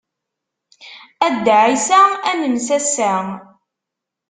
A Dda Ɛisa ad nens ass-a.